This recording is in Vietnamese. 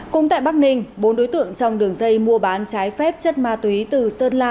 cũng tại bắc ninh bốn đối tượng trong đường dây mua bán trái phép chất ma túy từ sơn la